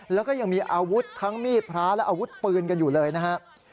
แล้วก็ยังมีอาวุธทั้งมีดพระและอาวุธปืนกันอยู่เลยนะครับ